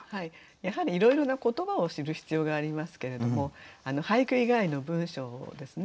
やはりいろいろな言葉を知る必要がありますけれども俳句以外の文章ですね。